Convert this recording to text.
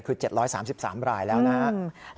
คือ๗๓๓รายแล้วนะครับ